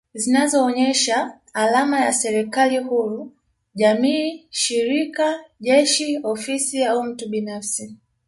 Zinazoonyesha alama ya serikali huru jamii shirika jeshi ofisi au mtu binafsi